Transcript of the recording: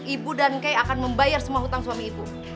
ibu dan key akan membayar semua hutang suami ibu